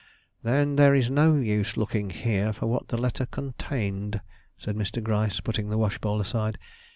"Then there is no use looking here for what the letter contained," said Mr. Gryce, putting the wash bowl aside.